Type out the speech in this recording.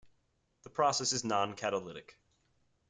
The process is non-catalytic.